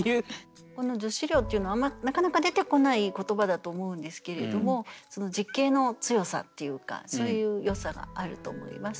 この「女子寮」というのはなかなか出てこない言葉だと思うんですけれどもその実景の強さっていうかそういうよさがあると思います。